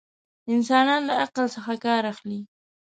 انسانان له عقل څخه ڪار اخلي.